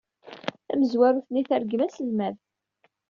Tamezrawt-nni tergem aselmad.